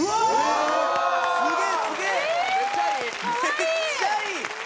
めっちゃいい！